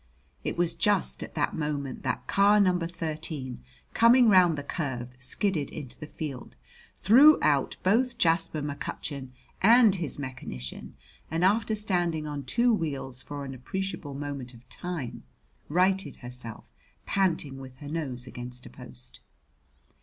It was just at that moment that car number thirteen, coming round the curve, skidded into the field, threw out both Jasper McCutcheon and his mechanician, and after standing on two wheels for an appreciable moment of time, righted herself, panting, with her nose against a post.